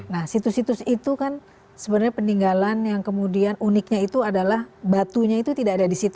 nah situs situs itu kan sebenarnya peninggalan yang kemudian uniknya itu adalah batunya itu tidak ada di situ